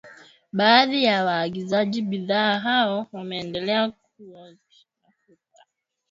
Baadhi ya waagizaji bidhaa hao wameendelea kuhodhi mafuta